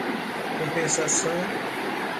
compensação